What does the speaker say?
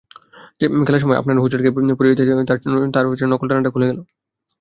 খেলার সময় আফনান হোঁচট খেয়ে পড়ে যেতেই তার নকল ডানাটা খুলে গেল।